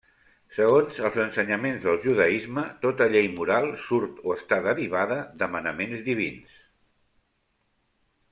Segons els ensenyaments del judaisme tota llei moral surt o està derivada de manaments divins.